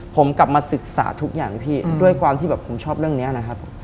ผมกลับมาศึกษาทุกอย่างพี่ด้วยความที่แบบผมชอบเรื่องนี้นะครับ